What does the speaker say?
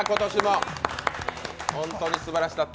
本当にすばらしかった。